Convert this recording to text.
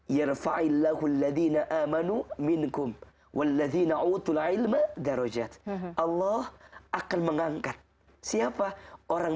yirfa'illahu alladzina amanu minkum walladzina utul ilma darujat allah akan mengangkat siapa orang